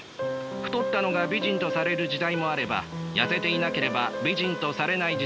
太ったのが美人とされる時代もあれば痩せていなければ美人とされない時代もある。